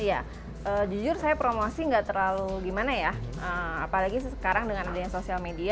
iya jujur saya promosi nggak terlalu gimana ya apalagi sekarang dengan adanya sosial media